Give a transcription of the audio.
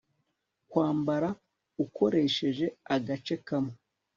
Kwambara ukoresheje agace kamwe